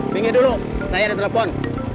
pinggir dulu saya ada telepon